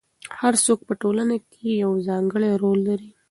هر څوک په ټولنه کې یو ځانګړی رول لري.